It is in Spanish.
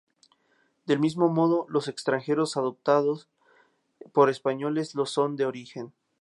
Del mismo modo, los extranjeros adoptados por españoles lo son de origen.